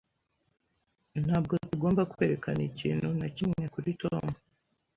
Ntabwo tugomba kwerekana ikintu na kimwe kuri Tom.